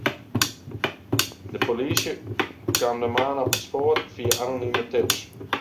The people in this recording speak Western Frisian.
De polysje kaam de man op it spoar fia anonime tips.